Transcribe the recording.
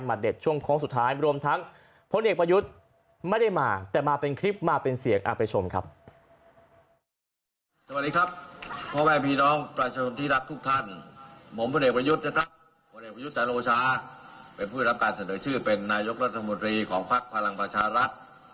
เป็นผู้รับการเสนอชื่อเป็นนายกรัฐมนตรีของภักดิ์ฟรรณประชารัฐ